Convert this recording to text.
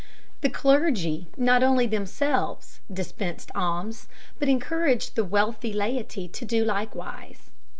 The clergy not only themselves dispensed alms, but encouraged the wealthy laity to do likewise.